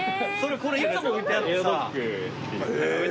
これいつも置いてあってさ。